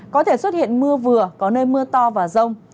có thể xuất hiện mưa vừa có nơi mưa to và rông